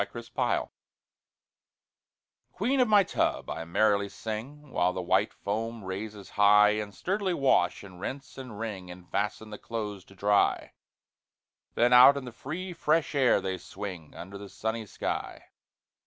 8 Autoplay Queen of my tub, I merrily sing, While the white foam raises high, And sturdily wash, and rinse, and wring, And fasten the clothes to dry; Then out in the free fresh air they swing, Under the sunny sky.